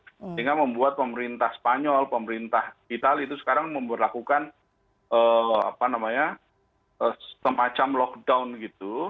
sehingga membuat pemerintah spanyol pemerintah itali itu sekarang memperlakukan semacam lockdown gitu